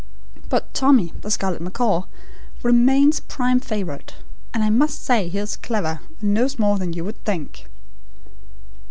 But Tommy, the scarlet macaw, remains prime favourite, and I must say he is clever and knows more than you would think."